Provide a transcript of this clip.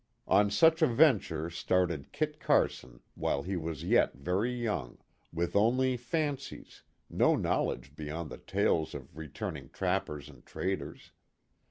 On such a venture started Kit Carson while he was yet very young ; with only fancies no knowledge beyond the tales of returned trap pers and traders.